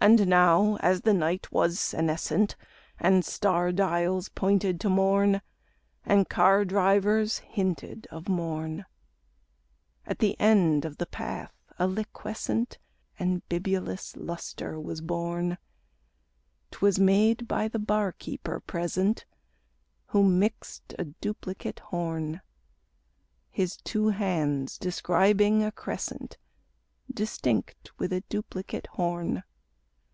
And now as the night was senescent, And star dials pointed to morn, And car drivers hinted of morn, At the end of the path a liquescent And bibulous lustre was born; 'Twas made by the bar keeper present, Who mixed a duplicate horn, His two hands describing a crescent Distinct with a duplicate horn.